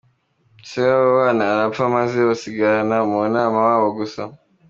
se w’abo bana arapfa maze basigarana na mama wabo gusa.